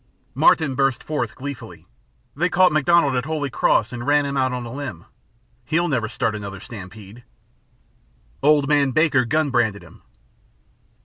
Martin burst forth, gleefully: "They caught MacDonald at Holy Cross and ran him out on a limb. He'll never start another stampede. Old man Baker gun branded him."